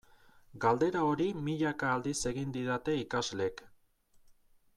Galdera hori milaka aldiz egin didate ikasleek.